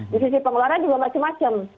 di sisi pengeluaran juga macam macam